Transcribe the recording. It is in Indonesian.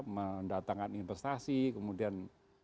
mendatangkan investasi kemudian